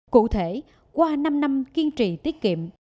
cụ thể qua năm năm kiên trì tiết kiệm